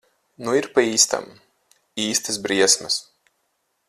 Nu ir pa īstam. Īstas briesmas.